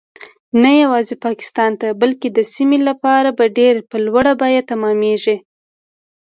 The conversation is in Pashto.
نه یوازې پاکستان ته بلکې د سیمې لپاره به ډیر په لوړه بیه تمامیږي